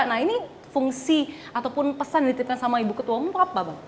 nah ini fungsi ataupun pesan yang dititipkan sama ibu ketua umum apa bang